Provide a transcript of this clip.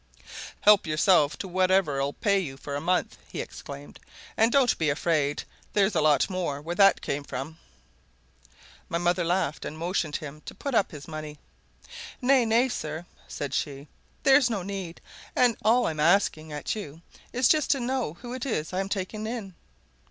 "Help yourself to whatever'll pay you for a month," he exclaimed. "And don't be afraid there's a lot more where that came from." But my mother laughed, and motioned him to put up his money. "Nay, nay, sir!" said she. "There's no need. And all I'm asking at you is just to know who it is I'm taking in.